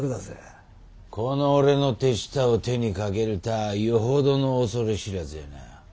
この俺の手下を手にかけるたあよほどの恐れ知らずやな。